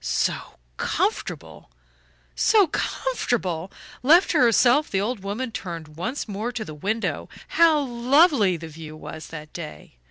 So comfortable so comfortable! Left to herself the old woman turned once more to the window. How lovely the view was that day!